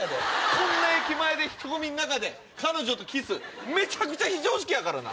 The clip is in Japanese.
こんな駅前で人込みの中で彼女とキスめちゃくちゃ非常識やからな。